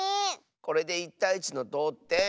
これで１たい１のどうてん。